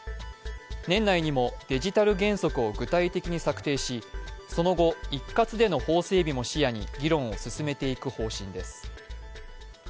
年内にもデジタル原則を具体的に策定しその後、一括での法整備も視野に議論を進めていく方針です。